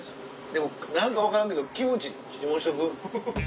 でも何か分からんけどキムチ注文しとく？